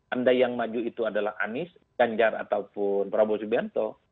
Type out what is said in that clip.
andai yang maju itu adalah anies ganjar ataupun prabowo subianto